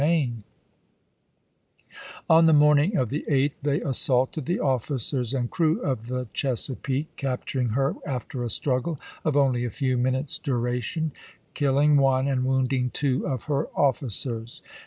BeBjamin On the mornlug of the 8th, they assaulted the officers and crew of the Chesapeake, capturing her after a struggle of only a few minutes' duration, killing one and wounding two of her officers.